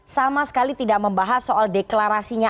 sama sekali tidak membahas soal deklarasinya